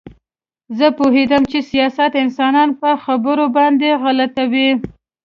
زه پوهېدم چې سیاست انسانان په خبرو باندې غلطوي